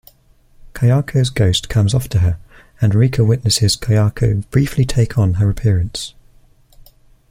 Kayako's ghost comes after her, and Rika witnesses Kayako briefly take on her appearance.